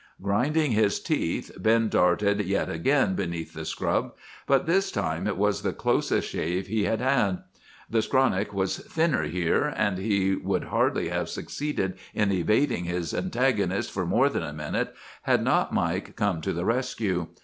"Grinding his teeth, Ben darted yet again beneath the scrub, but this time it was the closest shave he had had. The skronnick was thinner here, and he would hardly have succeeded in evading his antagonist for more than a minute, had not Mike come to the rescue.